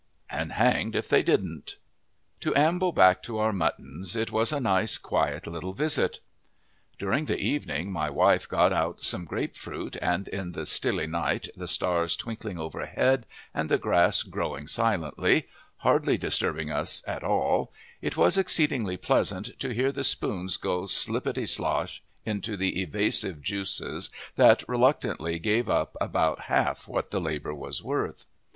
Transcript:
And hanged if they didn't! To amble back to our muttons, it was a nice, quiet little visit. During the evening my wife got out some grape fruit, and in the stilly night, the stars twinkling overhead and the grass growing silently, hardly disturbing us at all, it was exceedingly pleasant to hear the spoons go slippety slosh into the evasive juices that reluctantly gave up about half what the labor was worth.